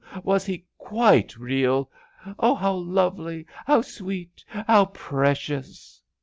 Was he quite real I Oh, how lovely 1 How sweet ! How precious!